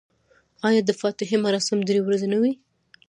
آیا د فاتحې مراسم درې ورځې نه وي؟